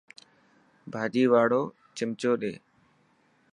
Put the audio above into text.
ڀاڄي واڙو چمچو ڏي.